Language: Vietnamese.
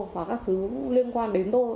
và các thứ liên quan đến tôi